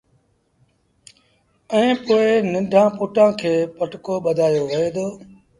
ائيٚݩ پو ننڍآݩ پُٽآݩ کي پٽڪو ٻڌآيو وهي دو